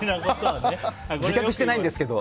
自覚してないんですけど。